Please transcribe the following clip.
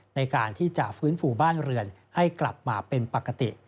ในการที่จะฟื้นฟูบ้านเรือนให้กลับมาเป็นปกติ